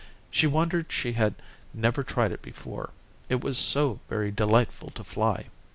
She wondered she had never tried it before; it was so very delightful to fly.